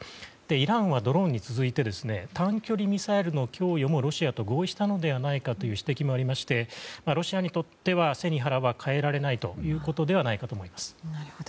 イランはドローンに続いて短距離ミサイルの供与もロシアと合意したのではないかという指摘もありましてロシアにとっては背に腹は代えられないということではないかと思います。